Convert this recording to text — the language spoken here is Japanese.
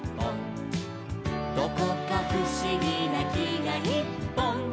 「どこかふしぎなきがいっぽん」